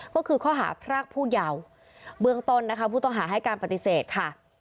ก็คือข้อหาพรากผู้เยาว์เบื้องต้นนะคะผู้ต้องหาให้การปฏิเสธค่ะ